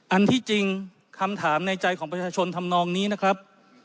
อันที่จริงคำถามในใจของประชาชนทำนองนี้นะครับ